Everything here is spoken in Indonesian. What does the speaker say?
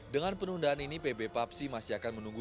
dengan penundaan ini pb papsi masih akan menunggu